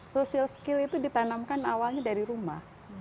social skill itu ditanamkan awalnya dari rumah